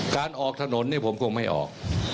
การออกถนนผมคงไม่ออก